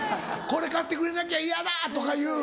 「これ買ってくれなきゃイヤだ！」とかいう。